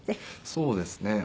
そうですね。